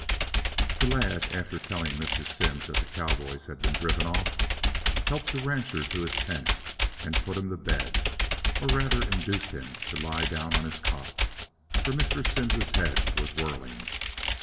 The lad, after telling Mr. Simms that the cowboys had been driven off, helped the rancher to his tent and put him to bed, or rather induced him to lie down on his cot, for Mr. Simms's head was whirling.